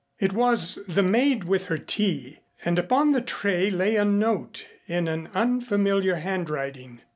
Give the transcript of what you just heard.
It was the maid with her tea, and upon the tray lay a note in an unfamiliar handwriting.